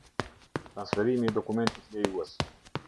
Transferimi i dokumentit lejues.